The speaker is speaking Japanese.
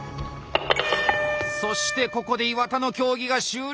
そしてここで岩田の競技が終了。